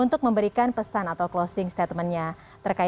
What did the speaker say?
terima kasih pak